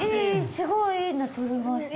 すごいいいの撮れました